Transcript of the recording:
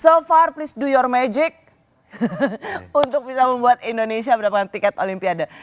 so far please do your magic untuk bisa membuat indonesia mendapatkan tiket olimpiade